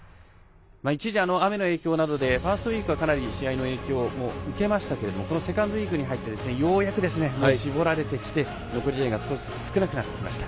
一時、雨の影響などでファーストウイークはかなり試合の影響を受けましたがこのセカンドウイークに入ってようやく絞られてきて残り試合が少しずつ少なくなってきました。